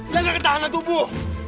jaga ketahanan tubuh